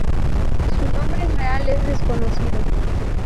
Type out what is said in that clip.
Su nombre real es desconocido.